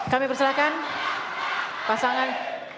kami persilakan pasangan